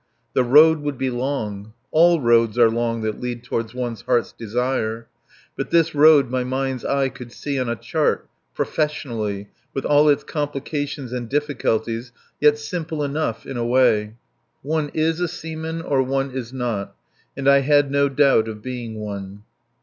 The road would be long. All roads are long that lead toward one's heart's desire. But this road my mind's eye could see on a chart, professionally, with all its complications and difficulties, yet simple enough in a way. One is a seaman or one is not. And I had no doubt of being one.